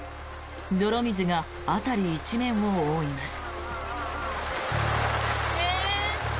泥水が辺り一面を覆います。